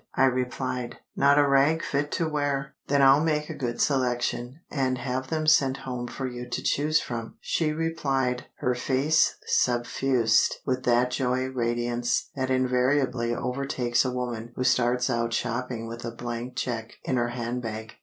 I replied, "Not a rag fit to wear!" "Then I'll make a good selection, and have them sent home for you to choose from," she replied, her face suffused with that joy radiance that invariably overtakes a woman who starts out shopping with a blank cheque in her handbag.